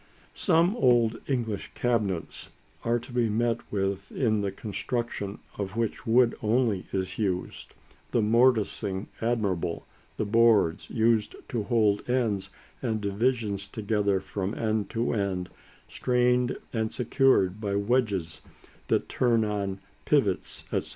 Some old English cabinets are to be met with in the construction of which wood only is used, the morticing admirable, the boards, used to hold ends and divisions together from end to end, strained and secured by wedges that turn on pivots, etc.